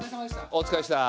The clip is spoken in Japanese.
おつかれっした。